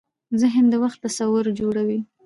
ذهن د وخت تصور جوړوي.